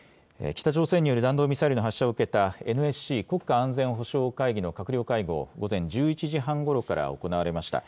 北朝鮮による弾道ミサイルの発射を受けたＮＳＣ・国家安全保障会議の閣僚会合午前１１時半ごろから行われました。